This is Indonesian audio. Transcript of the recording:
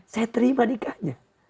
saya terima nikahnya